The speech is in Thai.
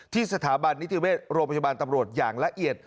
สถาบันนิติเวชโรงพยาบาลตำรวจอย่างละเอียด